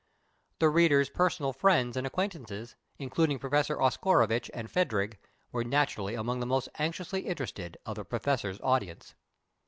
The reader's personal friends and acquaintances, including Prince Oscarovitch and Phadrig, were naturally among the most anxiously interested of the Professor's audience.